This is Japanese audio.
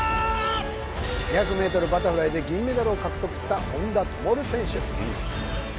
２００メートルバタフライで銀メダルを獲得した本多灯選手